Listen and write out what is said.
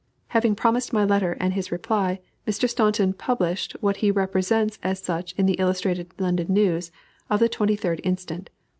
Having promised my letter and his reply, Mr. Staunton published what he represents as such in the Illustrated London News of the 23d inst.